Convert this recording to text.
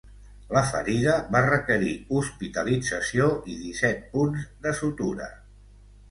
La ferida va requerir hospitalització i disset punts de sutura.